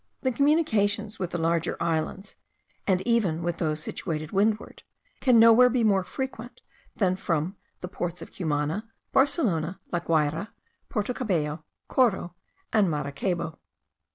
The communications with the larger islands, and even with those situated to windward, can nowhere be more frequent than from the ports of Cumana, Barcelona, La Guayra, Porto Cabello, Coro, and Maracaybo.